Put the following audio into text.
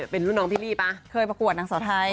เป็นลูกน้องพิลี่ป่ะเคยประกวดนังสอทัย